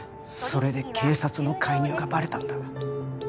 それで警察の介入がバレたんだ